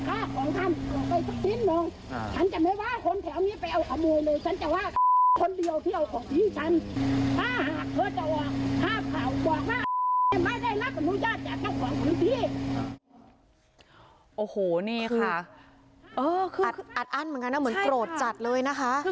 คนเดียวที่เอาของพี่ฉันถ้าหากเธอจะว่าห้าขาวกว่ากล้าม